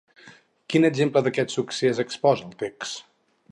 Quin exemple d'aquest succés exposa, el text?